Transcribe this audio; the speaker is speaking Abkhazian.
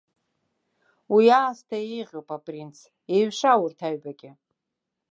Уи аасҭа еиӷьуп, апринц, еиҩша урҭ аҩбагьы!